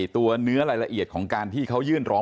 ตัวเนื้อรายละเอียดของการที่เขายื่นร้อง